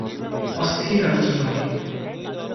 অস্থির আলোচনা হলো।